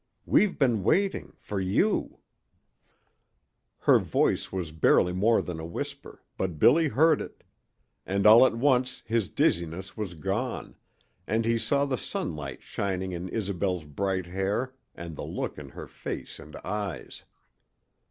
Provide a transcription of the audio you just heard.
We've been waiting for you " Her voice was barely more than a whisper, but Billy heard it; and all at once his dizziness was gone, and he saw the sunlight shining in Isobel's bright hair and the look in her face and eyes.